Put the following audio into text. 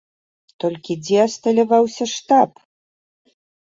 Толькі дзе асталяваўся штаб?